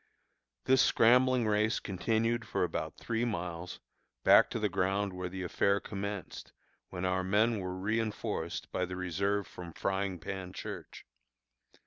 This scrambling race continued for about three miles, back to the ground where the affair commenced, when our men were reënforced by the reserve from Frying Pan Church.